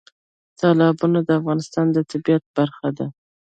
تالابونه د افغانستان د طبیعت برخه ده.